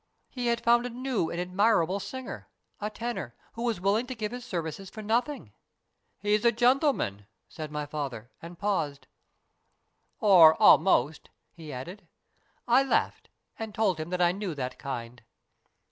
He had found a new and admirable singer, a tenor, who was willing to give his services for nothing. ' He's a gentle man,' said my father, and paused. 'Or almost,' he added. I laughed, and told him that I knew that kind.